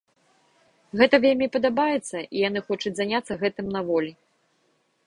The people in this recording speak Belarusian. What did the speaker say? Гэта вельмі падабаецца і яны хочуць заняцца гэтым на волі.